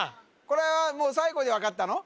これはもう最後で分かったの？